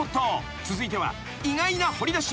［続いては意外な掘り出し物が］